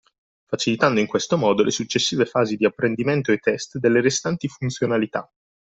Facilitando in questo modo le successive fasi di apprendimento e test delle restanti funzionalità.